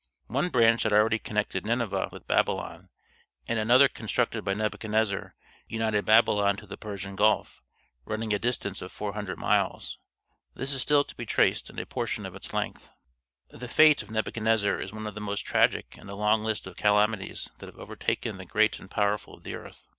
One branch had already connected Nineveh with Babylon, and another constructed by Nebuchadnezzar united Babylon to the Persian Gulf, running a distance of four hundred miles. This is still to be traced in a portion of its length. The fate of Nebuchadnezzar is one of the most tragic in the long list of calamities that have overtaken the great and powerful of the earth.